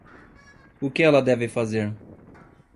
O que ela deve fazer?